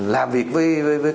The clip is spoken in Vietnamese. làm việc với